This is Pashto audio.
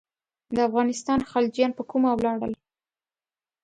د افغانستان خلجیان پر کومه ولاړل.